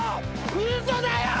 嘘だよ！